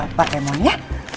bisa pak remon ya